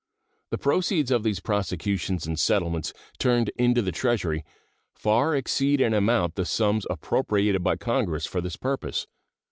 The proceeds of these prosecutions and settlements turned into the Treasury far exceed in amount the sums appropriated by Congress for this purpose.